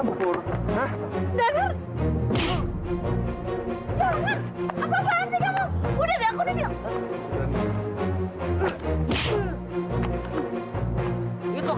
ngaku aku lagi kemudian kau pergi jauh jauh